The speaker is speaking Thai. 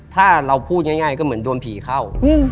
ถ้าเราพูดง่ายก็เหมือนโดนผีเข้า